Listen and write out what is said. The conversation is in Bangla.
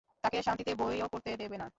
তাকে শান্তিতে বইও পড়তে দেবে না!